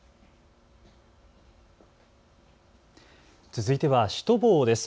続いてはシュトボーです。